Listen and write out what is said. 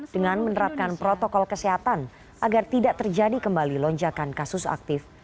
dengan menerapkan protokol kesehatan agar tidak terjadi kembali lonjakan kasus aktif